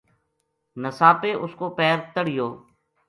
نساپے اس کو پیر تَہڑ یو